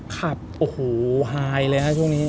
ครับโอ้โหไฮเลยฮะช่วงนี้